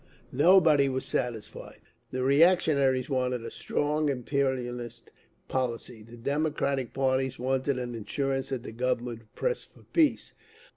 Nobody was satisfied. The reactionaries wanted a "strong" imperialist policy; the democratic parties wanted an assurance that the Government would press for peace….